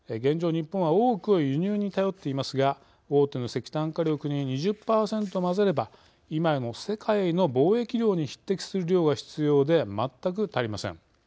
日本は多くを輸入に頼っていますが大手の石炭火力に２０％混ぜれば今の世界の貿易量に匹敵する量が必要でまったく足りません。